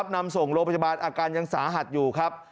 นำส่งโรงพยาบาลอาการยังสาหัสอยู่ครับ